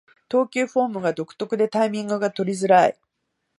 投球フォームが独特でタイミングが取りづらい